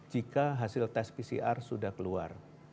jika hasil tes pcr sudah keluar